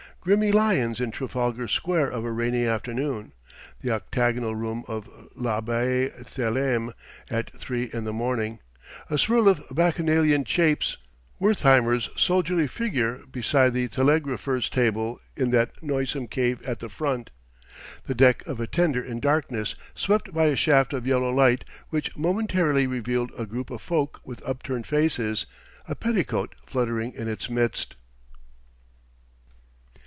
grimy lions in Trafalgar Square of a rainy afternoon ... the octagonal room of L'Abbaye Thêléme at three in the morning, a swirl of Bacchanalian shapes ... Wertheimer's soldierly figure beside the telegraphers' table in that noisome cave at the Front ... the deck of a tender in darkness swept by a shaft of yellow light which momentarily revealed a group of folk with upturned faces, a petticoat fluttering in its midst....